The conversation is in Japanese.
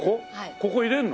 ここ入れるの！？